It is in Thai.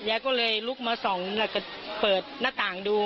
ยายก็เลยลุกมาส่องแล้วก็เปิดหน้าต่างดู